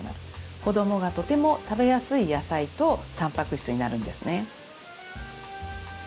子どもがとても食べやすい野菜とたんぱく質になるんですね。